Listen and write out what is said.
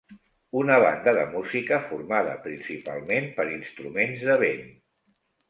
Una banda de música formada principalment per instruments de vent.